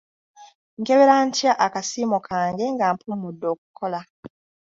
Nkebera ntya akasiimo kange nga mpummudde okukola?